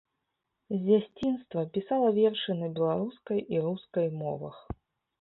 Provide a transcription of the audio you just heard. З дзяцінства пісала вершы на беларускай і рускай мовах.